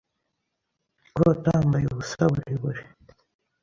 Kurota wambaye ubusa buriburi.